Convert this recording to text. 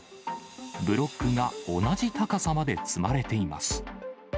ブロックが同じ高さまで積まれています。